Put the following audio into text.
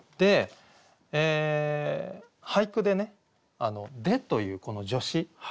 俳句でね「で」というこの助詞。